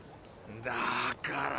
だから。